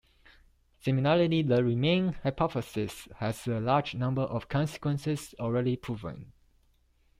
Similarly, the Riemann hypothesis has a large number of consequences already proven.